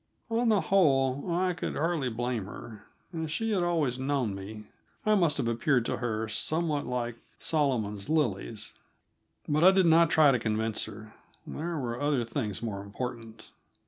On the whole, I could hardly blame her. As she had always known me, I must have appeared to her somewhat like Solomon's lilies. But I did not try to convince her; there were other things more important.